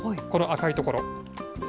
この赤い所。